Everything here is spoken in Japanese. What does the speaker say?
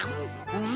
うん！